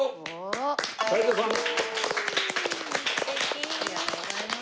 ありがとうございます。